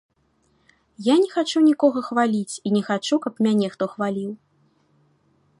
Я не хачу нікога хваліць і не хачу, каб мяне хто хваліў.